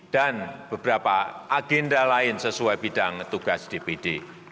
dan beberapa agenda lain sesuai bidang tugas dpd